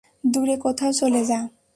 দূরে কোথাও চলে যা।